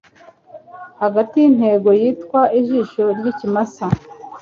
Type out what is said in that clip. Hagati yintego yitwa "ijisho ryikimasa."